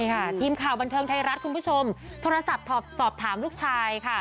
ค่ะทีมข่าวบันเทิงไทยรัฐคุณผู้ชมโทรศัพท์สอบถามลูกชายค่ะ